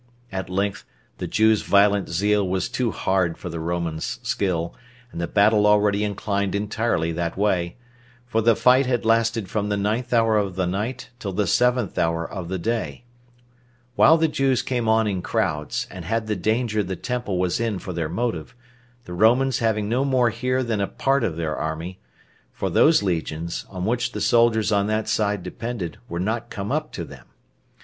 At length the Jews' violent zeal was too hard for the Romans' skill, and the battle already inclined entirely that way; for the fight had lasted from the ninth hour of the night till the seventh hour of the day, While the Jews came on in crowds, and had the danger the temple was in for their motive; the Romans having no more here than a part of their army; for those legions, on which the soldiers on that side depended, were not come up to them.